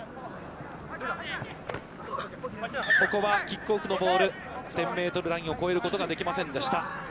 ここはキックオフのボール１０ｍラインを越えることができませんでした。